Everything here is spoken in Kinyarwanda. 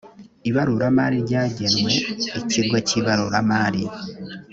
ibaruramari ryagenwe ikigo kibaruramari.